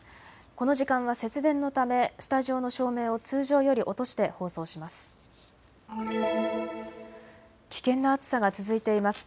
この時間は節電のためスタジオの照明を通常より落として放送します。